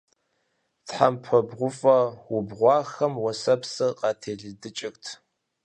Тхьэмпэ бгъуфӀэ убгъуахэм уэсэпсыр къателыдыкӀырт.